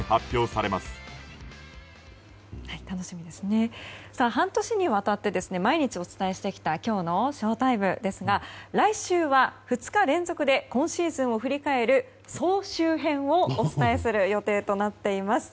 さあ、半年にわたって毎日お伝えしてきたきょうのＳＨＯＴＩＭＥですが来週は、２日連続で今シーズンを振り返る総集編をお伝えする予定となっています。